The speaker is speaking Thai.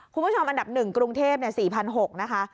คุณผู้ชมอันดับ๑กรุงเทพฯ๔๖๐๐นะคะ